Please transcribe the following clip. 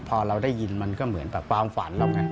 พอเราได้ยินมันก็เหมือนแบบความฝันเราไง